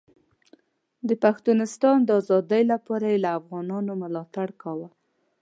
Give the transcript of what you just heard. د پښتونستان د ازادۍ لپاره یې له افغانانو ملاتړ کاوه.